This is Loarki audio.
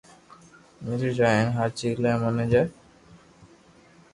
ملي جائي ھين ھاچي لي ملي جائي